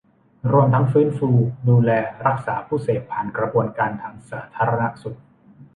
รวมทั้งฟื้นฟู ดูแล รักษาผู้เสพผ่านกระบวนการทางสาธารณสุข